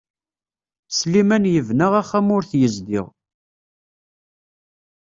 Sliman yebna axxam ur t-yezdiɣ.